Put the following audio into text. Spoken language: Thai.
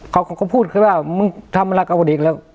เขาก็พูดแค่ว่ามึงทำอะไรกับเด็กแล้ว